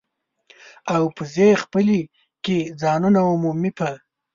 او پزې خپلې کې ځایونو عمومي په